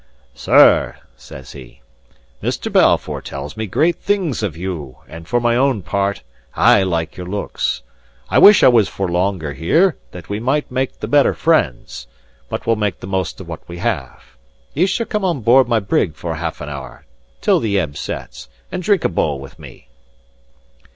"Sir," said he, "Mr. Balfour tells me great things of you; and for my own part, I like your looks. I wish I was for longer here, that we might make the better friends; but we'll make the most of what we have. Ye shall come on board my brig for half an hour, till the ebb sets, and drink a bowl with me."